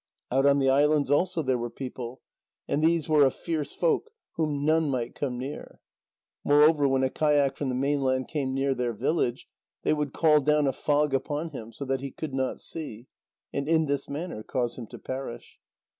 Out on the islands also there were people, and these were a fierce folk whom none might come near. Moreover when a kayak from the mainland came near their village, they would call down a fog upon him, so that he could not see, and in this manner cause him to perish.